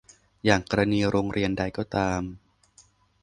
อย่างกรณีโรงเรียนใดก็ตาม